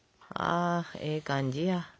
あええ感じや。